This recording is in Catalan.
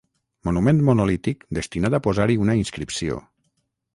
Monument monolític destinat a posar-hi una inscripció.